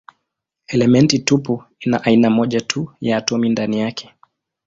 Elementi tupu ina aina moja tu ya atomi ndani yake.